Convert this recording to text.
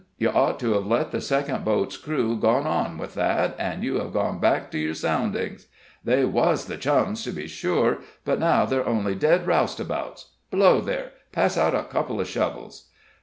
You ought to have let the second boat's crew gone on with that, and you have gone back to your soundings. They was the Chums, to be sure, but now they're only dead roustabouts. Below there! Pass out a couple of shovels!"